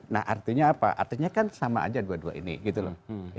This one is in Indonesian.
nah artinya apa artinya kan sama aja dua dua ini gitu loh